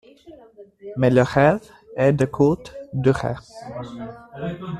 Mais le rêve est de courte durée.